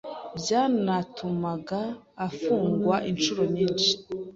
byanatumaga afungwa inshuro nyinshi